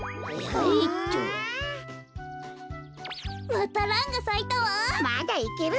またランがさいたわ。